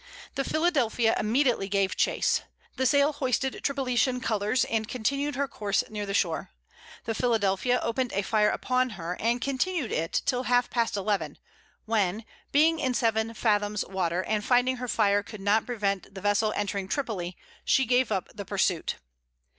The Philadelphia immediately gave chase. The sail hoisted Tripolitan colors, and continued her course near the shore. The Philadelphia opened a fire upon her, and continued it, till half past eleven; when, being in seven fathoms water, and finding her fire could not prevent the vessel entering Tripoli, she gave up the pursuit.